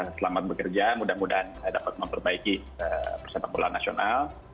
selamat bekerja mudah mudahan saya dapat memperbaiki persetak bulan nasional